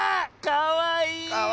かわいい！